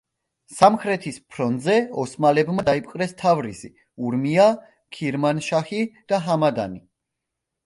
სამხრეთის ფრონტზე ოსმალებმა დაიპყრეს თავრიზი, ურმია, ქირმანშაჰი და ჰამადანი.